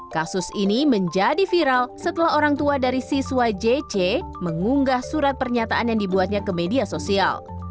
kasus ini menjadi viral setelah orang tua dari siswa jc mengunggah surat pernyataan yang dibuatnya ke media sosial